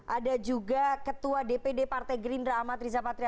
ada juga ketua dpd partai green rahmat riza patria